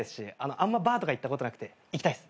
あんまバーとか行ったことなくて行きたいっす。